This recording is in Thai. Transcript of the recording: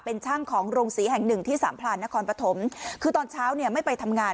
เป็นช่างของโรงศรีแห่งหนึ่งที่สามพลานนครปฐมคือตอนเช้าเนี่ยไม่ไปทำงาน